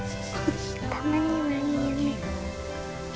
たまにはいいよね？